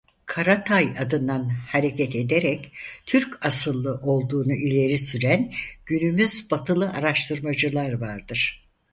Karatay adından hareket ederek Türk asıllı olduğunu ileri süren günümüz batılı araştırmacılar vardır.